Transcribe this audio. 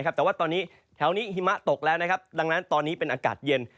แต่ว่าตอนนี้แถวนี้หิมะตกแล้วนะครับดังนั้นตอนนี้เป็นอากาศเย็น